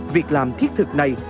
việc làm thiết thực này